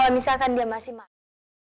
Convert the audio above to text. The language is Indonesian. misalkan dia masih mati